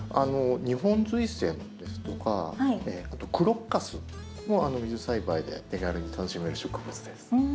ニホンズイセンですとかあとクロッカスも水栽培で手軽に楽しめる植物です。